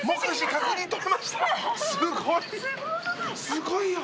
すごいよ！